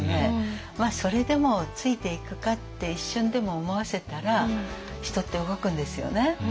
まあそれでもついていくかって一瞬でも思わせたら人って動くんですよね。